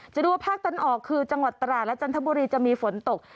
ดูว่าภาคตะวันออกคือจังหวัดตราดและจันทบุรีจะมีฝนตก